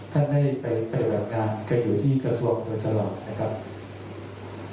ท่านได้ไปประดับงานก็อยู่ที่กระทรวมตลอด